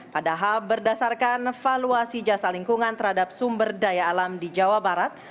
padahal berdasarkan valuasi jasa lingkungan terhadap sumber daya alam di jawa barat